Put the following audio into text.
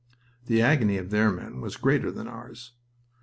The agony of their men was greater than ours.